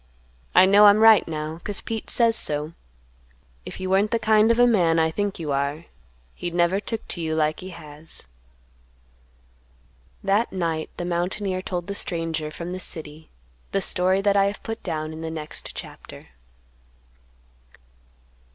I know I'm right now, 'cause Pete says so. If you weren't the kind of a man I think you are, he'd never took to you like he has." That night the mountaineer told the stranger from the city the story that I have put down in the next chapter.